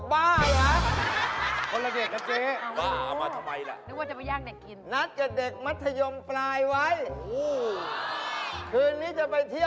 บ๊วยบ๊วยเป็นอะไรบ๊วยบ๊วยเป็นอะไรบ๊วยบ๊วยเป็นอะไรบ๊วย